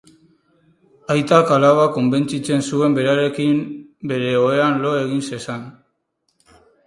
Aitak alaba konbentzitzen zuen berarekin bere ohean lo egin zezan.